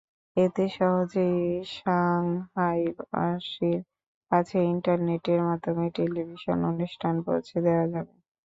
এতে সহজেই সাংহাইবাসীর কাছে ইন্টারনেটের মাধ্যমে টেলিভিশন অনুষ্ঠান পৌঁছে দেওয়া যাবে।